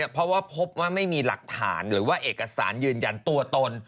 เพราะว่าพบว่าไม่มีหลักฐานหรือว่าเอกสารยืนยันตัวตน